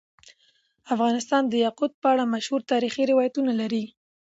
افغانستان د یاقوت په اړه مشهور تاریخی روایتونه لري.